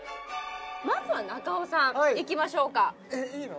まずは中尾さんいきましょうかはいえっいいの？